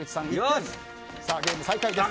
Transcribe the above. ゲーム再開です。